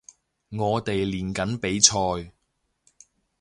我哋練緊比賽